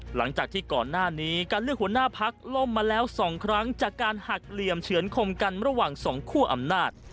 หลังจากที่ก่อนหน้านี้การเลือกหัวหน้าพักล่มมาแล้ว๒ครั้งจากการหักเหลี่ยมเฉือนคมกันระหว่างสองคั่วอำนาจ